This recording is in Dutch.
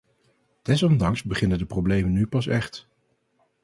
Desondanks beginnen de problemen nu pas echt.